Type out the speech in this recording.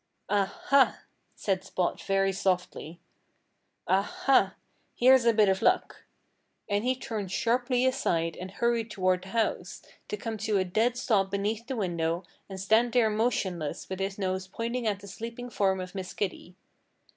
"Aha!" said Spot very softly. "Aha! Here's a bit of luck." And he turned sharply aside and hurried towards the house, to come to a dead stop beneath the window and stand there motionless with his nose pointing at the sleeping form of Miss Kitty.